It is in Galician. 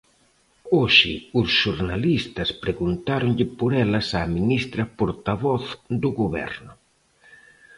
Hoxe os xornalistas preguntáronlle por elas á ministra portavoz do Goberno.